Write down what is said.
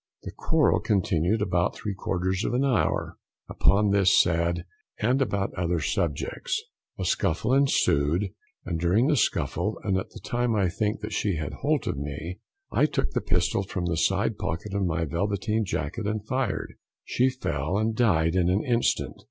The quarrel continued about three quarters of an hour upon this sad and about other subjects. A scuffle ensued, and during the scuffle, and at the time I think that she had hold of me, I took the pistol from the side pocket of my velveteen jacket and fired. She fell, and died in an instant.